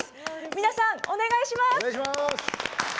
皆さん、お願いします。